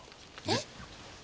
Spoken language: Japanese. えっ？